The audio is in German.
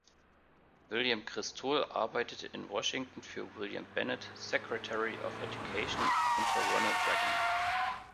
William Kristol arbeitete in Washington für William Bennett, "Secretary of Education" unter Ronald Reagan.